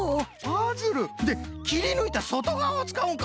パズル。できりぬいたそとがわをつかうんか。